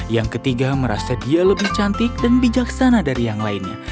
yang ketiga merasa dia lebih cantik dan bijaksana dari yang lainnya